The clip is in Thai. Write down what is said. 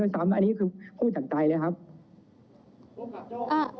แต่ถ้าดูประสบการณ์คือเป็นถึงผู้บังคับปัญชาในสถานีอย่างนี้ค่ะ